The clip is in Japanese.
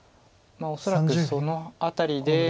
恐らくその辺りで。